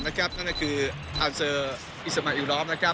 นั่นก็คืออัลเซอร์อิสมัยอิวรอม